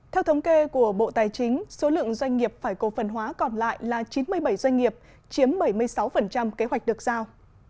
theo thống kê của bộ tài chính số lượng doanh nghiệp phải cổ phần hóa còn lại là chín mươi bảy doanh nghiệp chiếm bảy mươi sáu kế hoạch được giao